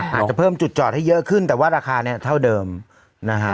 อาจจะเพิ่มจุดจอดให้เยอะขึ้นแต่ว่าราคาเนี่ยเท่าเดิมนะฮะ